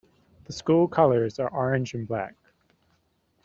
The school colors are orange and black.